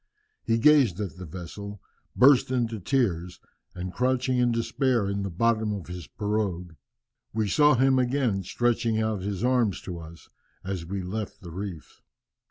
He gazed at the vessel, burst into tears, and crouched in despair in the bottom of his pirogue. We saw him again, stretching out his arms to us, as we left the reefs."